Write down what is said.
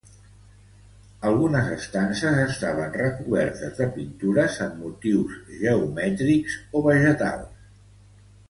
Algunes estances estaven recobertes de pintures amb motius geomètrics o vegetals.